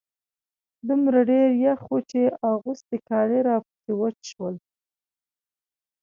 دومره ډېر يخ و چې اغوستي کالي راپسې وچ شول.